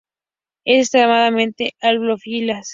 Es extremadamente halófilas.